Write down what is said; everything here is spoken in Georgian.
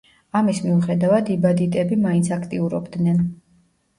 ამის მიუხედავად იბადიტები მაინც აქტიურობდნენ.